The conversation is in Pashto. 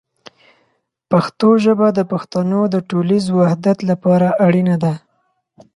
پښتو ژبه د پښتنو د ټولنیز وحدت لپاره اړینه ده.